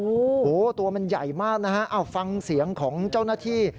โอ้โหตัวมันใหญ่มากนะฮะเอาฟังเสียงของเจ้าหน้าที่